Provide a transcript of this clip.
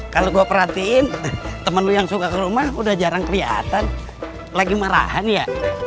kalau gue perhatiin temen yang suka ke rumah udah jarang kelihatan lagi marahan ya